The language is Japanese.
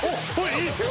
いいっすね。